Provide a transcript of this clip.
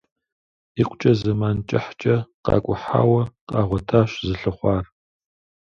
Икъукӏэ зэмэн кӏыхькӏэ къакӏухьауэ къагъуэтащ зылъыхъуар.